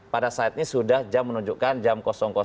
pada saat ini sudah jam menunjukkan jam